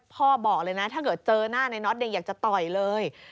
บอกเลยนะถ้าเกิดเจอหน้าในน็อตอยากจะต่อยเลย